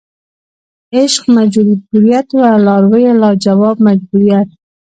عشق مجبوریت وه لارویه لا جواب مجبوریت